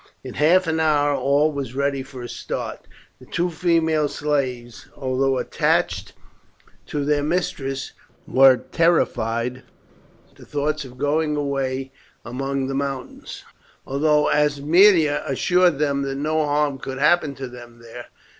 In half an hour all was ready for a start. The two female slaves, although attached to their mistress, were terrified at the thoughts of going away among the mountains, although Aemilia assured them that no harm could happen to them there.